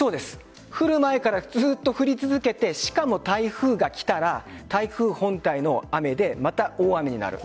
降る前からずっと降り続けてしかも台風が来たら台風本体の雨でまた大雨になる。